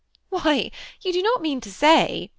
" Why, you do not mean to say,*!